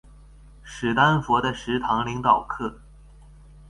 史丹佛的十堂領導課